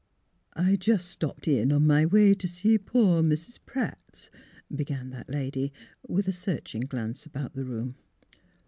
" I just stopped in on my way t' see poor Mis' Pratt," began that lady, with a searching glance about the room.